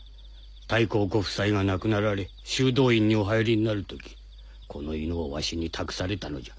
大公ご夫妻が亡くなられ修道院にお入りになる時この犬をわしに託されたのじゃ。